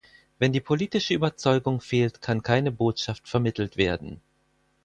Wenn die politische Überzeugung fehlt, kann keine Botschaft vermittelt werden.